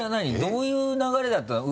どういう流れだったの？